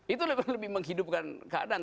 itu lebih menghidupkan keadaan